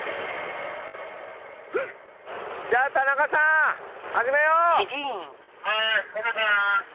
じゃあ田中さん始めよう！